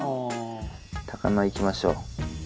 高菜いきましょう。